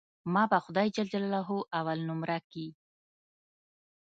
ما به خداى جل جلاله اول نؤمره کي.